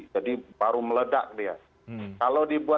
jadi baru meledak dia